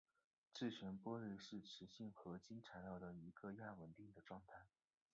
自旋玻璃是磁性合金材料的一种亚稳定的状态。